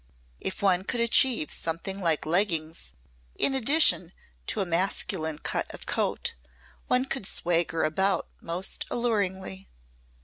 If one could achieve something like leggings in addition to a masculine cut of coat, one could swagger about most alluringly.